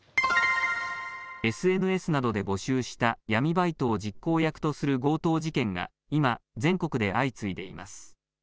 ＳＮＳなどで募集した闇バイトを実行役とする強盗事件が今、全国で相次いでいます。